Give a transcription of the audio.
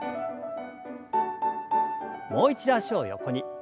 もう一度脚を横に。